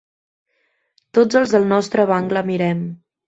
Tots els del nostre banc la mirem.